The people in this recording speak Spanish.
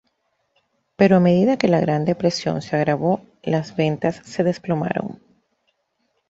Pero a medida que la Gran Depresión se agravó, las ventas se desplomaron.